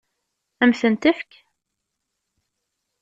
Ad m-tent-tefk?